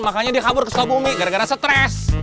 makanya dia kabur ke seluruh bumi gara gara stres